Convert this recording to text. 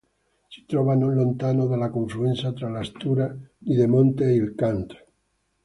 Si trova non lontano dalla confluenza tra la Stura di Demonte e il Cant.